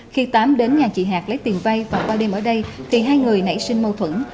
khi tám đến nhà chị hà lấy tiền vay và qua đêm ở đây thì hai người nảy sinh mâu thuẫn